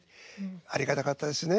ありがたかったですね。